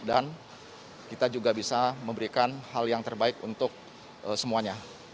dan kita juga bisa memberikan hal yang terbaik untuk semuanya